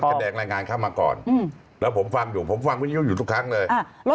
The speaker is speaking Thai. รถคันแดงรายงานเข้ามาก่อนแล้วผมฟังอยู่อยู่ทุกครั้งเลย